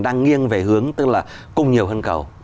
đang nghiêng về hướng tức là cung nhiều hơn cầu